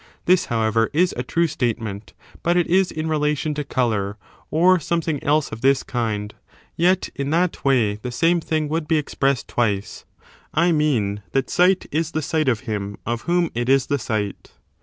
This, however, is a true statement, but it is in relation to colour, or something else of this kind ; yet in that way the same thing would be expressed twice : I mean that sight is the sight of him of whom it is the sight.